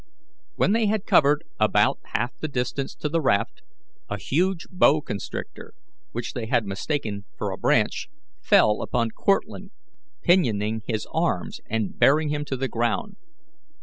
When they had covered about half the distance to the raft, a huge boa constrictor, which they had mistaken for a branch, fell upon Cortlandt, pinioning his arms and bearing him to the ground.